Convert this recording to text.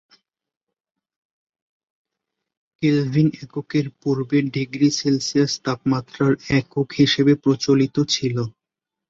Kelvin এককের পূর্বে degree Celsius তাপমাত্রার একক হিসেবে প্রচলিত ছিল।